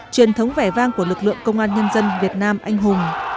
truyền thống vẻ vang của lực lượng công an nhân dân việt nam anh hùng